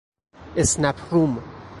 اسنپ روم